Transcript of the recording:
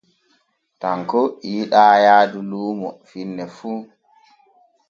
Tanko yiɗaa yaadu luumo finne fu.